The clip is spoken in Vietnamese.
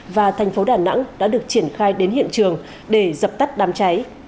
và thành phố đà nẵng đã được triển khai đến hiện trường để dập tắt đám cháy